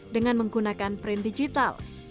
dengan menggunakan print digital